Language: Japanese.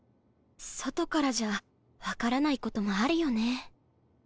外からじゃ分からないこともあるよね。